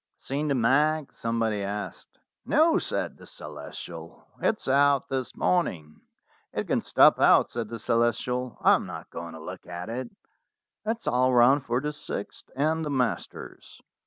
"Seen the 'Mag'?" somebody asked. "No," said the Celestial. "It's out this morning." "It can stop out," said the Celestial. "I am not going to look at it. It is all run for the sixth and the masters.